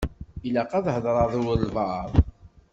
Ilaq ad heḍṛeɣ d walebɛaḍ.